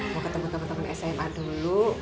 mau ketemu temen temen sma dulu